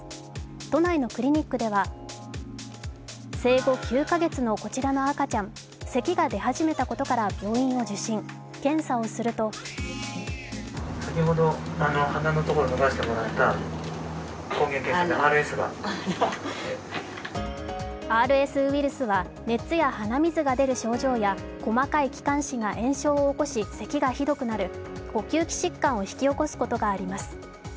都内のクリニックでは、生後９カ月のこちらの赤ちゃん、せきが出始めたことから病院を受診、検査をするとＲＳウイルスは熱や鼻水が出る症状や細かい気管支が炎症を起こしせきがひどくなる呼吸器疾患を引き起こすことがあります。